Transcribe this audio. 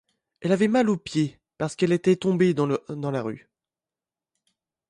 Elle avait mal au pied parce qu'elle était tombée dans la rue.